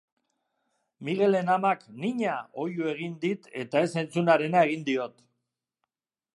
Miguelen amak jNiña! Oihu egin dit eta ez entzunarena egin diot.